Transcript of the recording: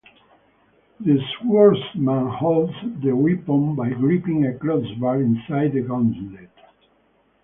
The swordsman holds the weapon by gripping a crossbar inside the gauntlet.